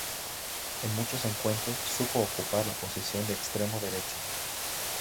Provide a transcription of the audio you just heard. En muchos encuentros supo ocupar la posición de extremo derecho.